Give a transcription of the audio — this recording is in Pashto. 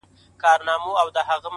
تېروتنه د پرمختګ برخه ده.